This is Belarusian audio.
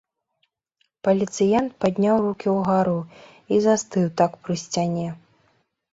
Паліцыянт падняў рукі ўгару і застыў так пры сцяне.